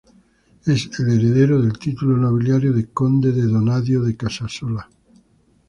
Es el heredero del título nobiliario de "conde de Donadío de Casasola".